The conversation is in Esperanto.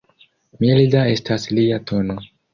Milda estas lia tono.